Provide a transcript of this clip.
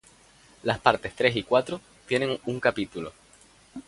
Las partes tres y cuatro tienen un capítulo.